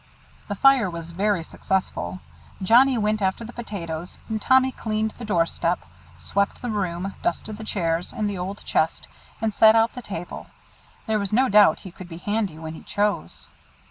The fire was very successful. Johnnie went after the potatoes, and Tommy cleaned the door step, swept the room, dusted the chairs and the old chest, and set out the table. There was no doubt he could be handy when he chose.